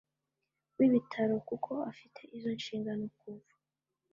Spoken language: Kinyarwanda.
W ibitaro kuko afite izo nshingano kuva